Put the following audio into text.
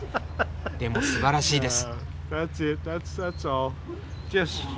でもすばらしいです。